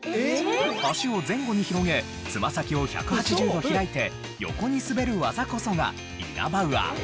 脚を前後に広げつま先を１８０度開いて横に滑る技こそがイナバウアー。